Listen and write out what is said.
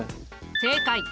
正解。